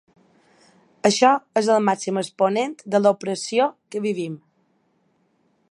Això és el màxim exponent de l'opressió que vivim.